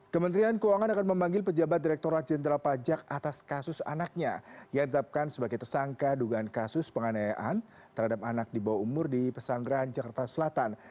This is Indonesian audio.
kementerian keuangan akan memanggil pejabat direkturat jenderal pajak atas kasus anaknya yang ditetapkan sebagai tersangka dugaan kasus penganayaan terhadap anak di bawah umur di pesanggerahan jakarta selatan